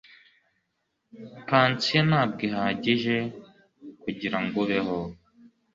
pansiyo ntabwo ihagije kugirango ubeho